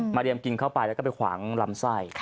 เรียมกินเข้าไปแล้วก็ไปขวางลำไส้